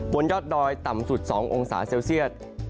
บนยอดดอยต่ำสุด๒องศาเซลเซียต